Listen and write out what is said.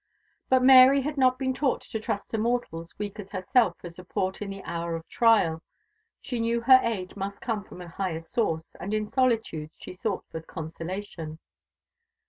But Mary had not been taught to trust to mortals weak as herself for support in the hour of trial. She knew her aid must come from a higher source; and in solitude she sought for consolation.